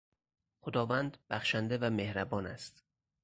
خداوند بخشنده و مهربان است.